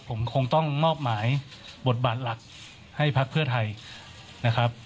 ผมคงต้องมอบหมายบทบาทหลักให้พักเพื่อไทยนะครับ